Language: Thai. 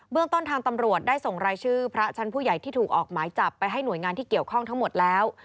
เรื่องต้นทางตำรวจได้ส่งรายชื่อพระชั้นผู้ใหญ่ที่ถูกออกหมายจับไปให้หน่วยงานที่เกี่ยวข้องทั้งหมดแล้ว